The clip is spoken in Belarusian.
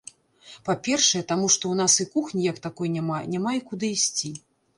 Па-першае, таму, што ў нас і кухні як такой няма, няма і куды ісці.